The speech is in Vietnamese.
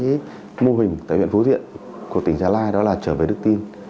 xuất phát từ một cái mô hình tại huyện phú thiện của tỉnh gia lai đó là trở về đức tin